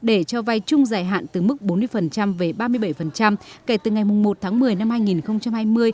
để cho vay chung giải hạn từ mức bốn mươi về ba mươi bảy kể từ ngày một tháng một mươi năm hai nghìn hai mươi